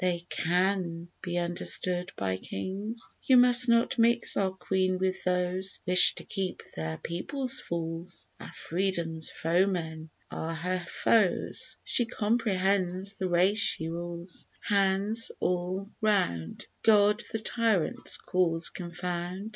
They can be understood by kings. You must not mix our Queen with those That wish to keep their people fools; Our freedom's foemen are her foes, She comprehends the race she rules. Hands all round! God the tyrant's cause confound!